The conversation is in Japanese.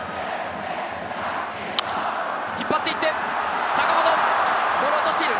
引っ張っていって、坂本、ボールを落としている！